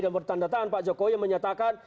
dan bertanda tahan pak jokowi yang menyatakan